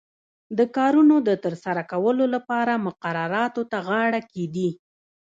د کارونو د ترسره کولو لپاره مقرراتو ته غاړه ږدي.